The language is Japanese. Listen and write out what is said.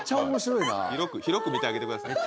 広く見てあげてください。